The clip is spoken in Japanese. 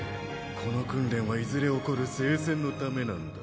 この訓練はいずれ起こる聖戦のためなんだ。